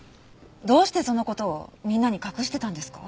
どうしてその事をみんなに隠してたんですか？